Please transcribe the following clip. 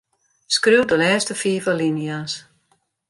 Skriuw de lêste fiif alinea's.